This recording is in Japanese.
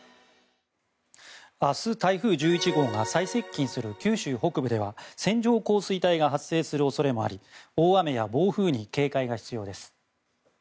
明日、台風１１号が最接近する九州北部では線状降水帯が発生する恐れもあり大雨や暴風に警戒が必要です。